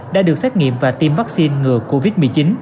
đã được xét nghiệm và tiêm vaccine ngừa covid một mươi chín